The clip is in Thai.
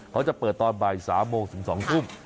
เขาจะเปิดตอนบ่าย๓โมงถึง๒ทุ่ม